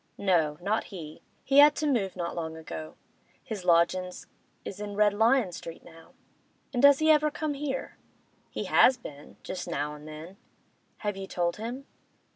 No, not he. He had to move not long ago; his lodgin's is in Red Lion Street now.' 'And does he ever come here?' 'He has been—just now an' then.' 'Have you told him?